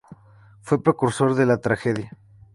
Fue precursor de la tragedia.